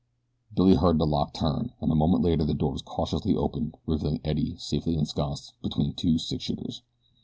Billy heard the lock turn, and a moment later the door was cautiously opened revealing Eddie safely ensconced behind two six shooters.